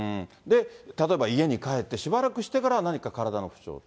例えば家に帰ってしばらくしてから何か体の不調と。